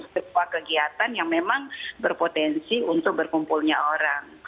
sebuah kegiatan yang memang berpotensi untuk berkumpulnya orang